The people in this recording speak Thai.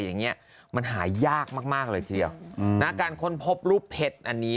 อย่างเงี้ยมันหายากมากมากเลยทีเดียวนะการค้นพบรูปเพชรอันนี้